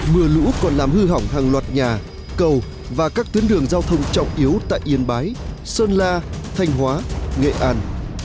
mưa lũ còn làm hư hỏng hàng loạt nhà cầu và các tuyến đường giao thông trọng yếu tại yên bái sơn la thanh hóa nghệ an